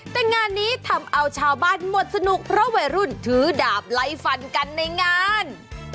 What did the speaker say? แต่งานนี้ทำเอาชาวบ้านหมดสนุกเพราะวัยรุ่นถือดาบไล่ฟันกันในงาน